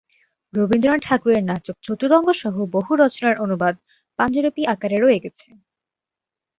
রবীন্দ্রনাথ ঠাকুরের নাটক "চতুরঙ্গ" সহ বহু রচনার অনুবাদ পাণ্ডুলিপি আকারে রয়ে গেছে।